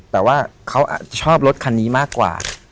แต่ว่าเขาชอบรถคันนี้มากกว่า